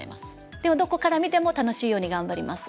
でもどこから見ても楽しいように頑張ります。